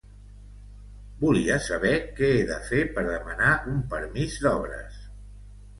Volia saber què he de fer per demanar un permís d'obres.